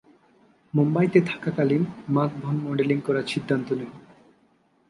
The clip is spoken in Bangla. মুম্বাইতে থাকাকালীন মাধবন মডেলিং করার সিদ্ধান্ত নেন।